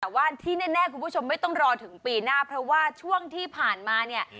แต่ว่าที่แน่คุณผู้ชมไม่ต้องรอถึงปีหน้าเพราะว่าช่วงที่ผ่านมาเนี่ย